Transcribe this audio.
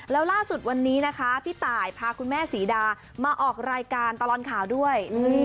แล้วล่าสุดวันนี้นะคะพี่ตายพาคุณแม่ศรีดามาออกรายการตลอดข่าวด้วย